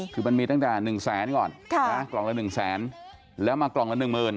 คือมันมีตั้งแต่๑แสนก่อนกล่องละ๑แสนแล้วมากล่องละหนึ่งหมื่น